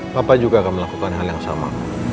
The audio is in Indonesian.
bapak juga akan melakukan hal yang sama